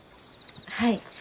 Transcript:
はい。